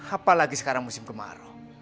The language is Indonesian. apalagi sekarang musim kemarau